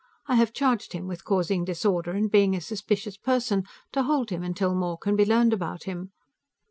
I have charged him with causing disorder and being a suspicious person, to hold him until more can be learned about him.